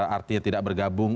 artinya tidak bergabung